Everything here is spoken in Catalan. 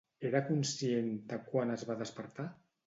Era conscient de quan es va despertar?